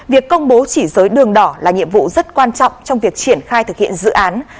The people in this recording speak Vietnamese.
việc công bố chỉ giới đường đỏ là nhiệm vụ rất quan trọng trong việc triển khai thực hiện dự án